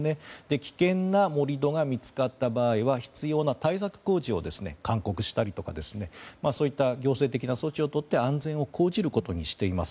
危険な盛り土が見つかった場合は必要な対策工事を勧告したりとかそういった行政的な措置をとって安全を講じることにしています。